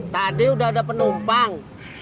tadi udah ada penumpang